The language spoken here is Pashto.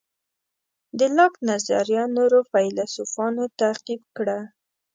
د لاک نظریه نورو فیلیسوفانو تعقیب کړه.